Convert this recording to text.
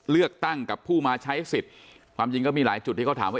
เลือกตั้งกับผู้มาใช้สิทธิ์ความจริงก็มีหลายจุดที่เขาถามว่า